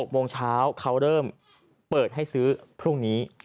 ๖โมงเช้าเขาเริ่มเปิดให้ซื้อพรุ่งนี้